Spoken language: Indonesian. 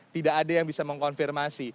tidak ada yang bisa mengkonfirmasi